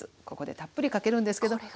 ここでたっぷりかけるんですけど。